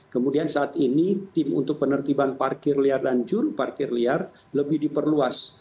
kemudian saat ini tim untuk penertiban parkir liar dan juru parkir liar lebih diperluas